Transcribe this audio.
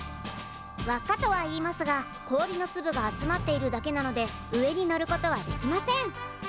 輪っかとは言いますが氷のつぶが集まっているだけなので上に乗ることはできません。